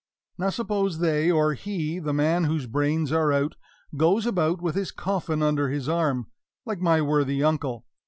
Now, suppose they or he the man whose brains are out goes about with his coffin under his arm, like my worthy uncle?